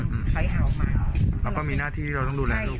อืมอืมถอยหาออกมาเราก็มีหน้าที่เราต้องดูแลลูกใช่